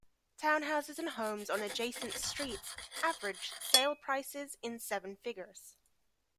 Townhouses and homes on adjacent streets average sales prices in seven figures.